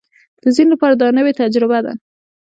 د ځینو لپاره دا یوه نوې تجربه ده